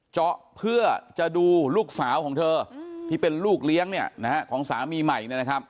เจาะเพื่อจะดูลูกสาวของเธอที่เป็นลูกเลี้ยงของสามีใหม่